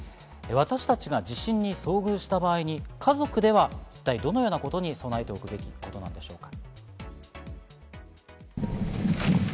私たちが地震に遭遇した場合に家族では一体どのようなことに備えておくべきなんでしょうか。